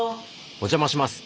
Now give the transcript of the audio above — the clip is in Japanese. お邪魔します。